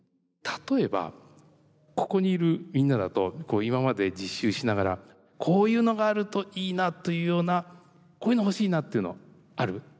例えばここにいるみんなだと今まで実習しながらこういうのがあるといいなというようなこういうの欲しいなっていうのはある？